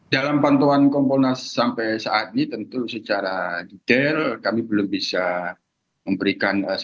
dalam pantauan komponas sampai saat ini tentu secara detail kami belum bisa memberikan